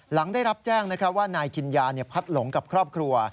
หลังได้รับแจ้งว่านายกินยาพัดหลงกับครอบครัว